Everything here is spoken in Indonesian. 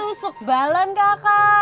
tusuk balon kakak